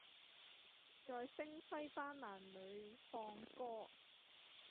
在星輝斑斕裡放歌